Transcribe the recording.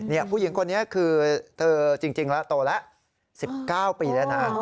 นี่ผู้หญิงคนนี้คือเธอจริงแล้วโตแล้ว๑๙ปีแล้วนะ